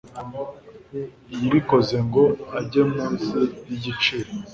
yibikoze ngo ajye munsi y'igiciro